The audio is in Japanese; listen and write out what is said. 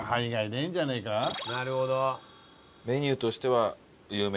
なるほど。